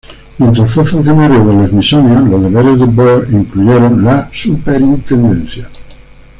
Mientras fue funcionario del Smithsonian, los deberes de Baird incluyeron la superintendencia.